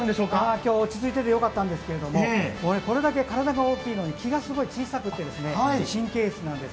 今日は落ち着いていてよかったんですけれどもこれだけ体が大きいのに気がすごい小さくて神経質なんです。